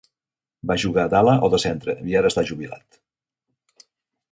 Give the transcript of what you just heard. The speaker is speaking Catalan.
Va jugar d'ala o de centre i ara està jubilat.